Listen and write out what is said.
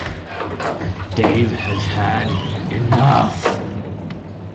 Dave has had enough.